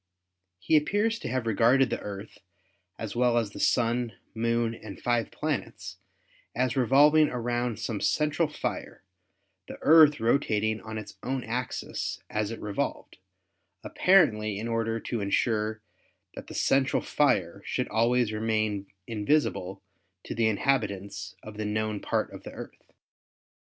He appears to have regarded the Earth, as well as the Sun, Moon and five planets, as revolving round some central fire, the Earth rotating on its own axis as it revolved, apparently in order to insure that the central fire should always remain invisible to the inhabitants of the known part of the Earth.